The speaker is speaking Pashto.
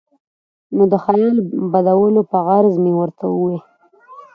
نو د خیال بدلولو پۀ غرض مې ورته اووې ـ